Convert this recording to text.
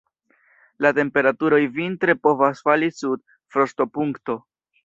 La temperaturoj vintre povas fali sub frostopunkto.